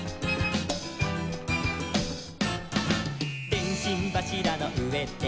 「でんしんばしらの上で」